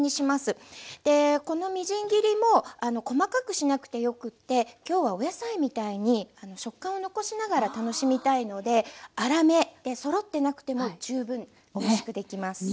このみじん切りも細かくしなくてよくって今日はお野菜みたいに食感を残しながら楽しみたいので粗めでそろってなくても十分おいしくできます。